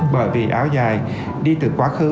bởi vì áo dài đi từ quá khứ